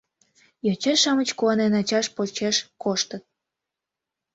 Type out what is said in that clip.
Йоча-шамыч куанен ачашт почеш коштыт.